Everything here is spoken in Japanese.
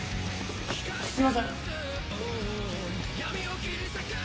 すいません。